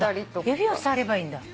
指を触ればいいんだ。